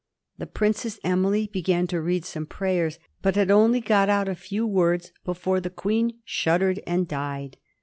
The Princess Emily began to read some prayers, but had only got out a few words before the Queen shuddered and died.